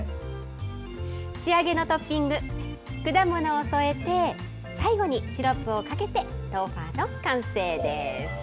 仕上げのトッピング、果物を添えて、最後にシロップをかけて、トウファの完成です。